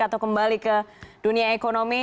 atau kembali ke dunia ekonomi